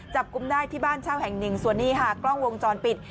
กุมได้ที่บ้านเช่าแห่งหนึ่งส่วนนี้ค่ะกล้องวงจรปิด